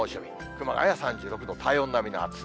熊谷３６度、体温並みの暑さ。